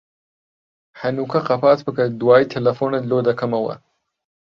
هەنووکە قەپات بکە، دوایێ تەلەفۆنت لۆ دەکەمەوە.